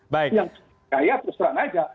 yang kaya terus terang saja